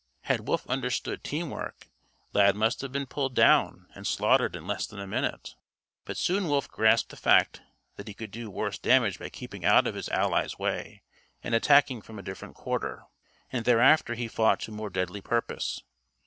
Had Wolf understood "teamwork," Lad must have been pulled down and slaughtered in less than a minute. But soon Wolf grasped the fact that he could do worse damage by keeping out of his ally's way and attacking from a different quarter, and thereafter he fought to more deadly purpose.